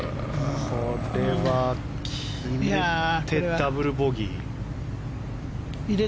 これは決めてダブルボギー。